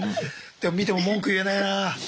でも見ても文句言えないな。